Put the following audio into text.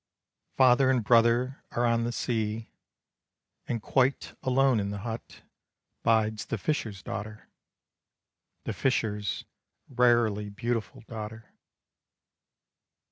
Father and brother are on the sea, And quite alone in the hut Bides the fisher's daughter, The fisher's rarely beautiful daughter.